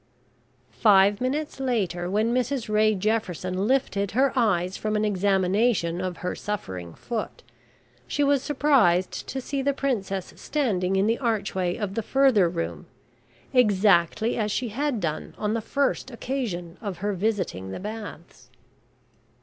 Five minutes later, when Mrs Ray Jefferson lifted her eyes from an examination of her suffering foot, she was surprised to see the Princess standing in the archway of the further room, exactly as she had done on the first occasion of her visiting the Baths.